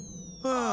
ああ。